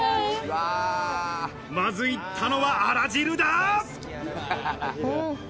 まず行ったのはあら汁だ！